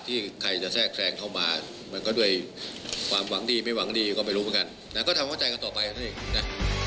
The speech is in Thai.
แต่ก็ทำเข้าใจกันต่อไปเท่านั้นเอง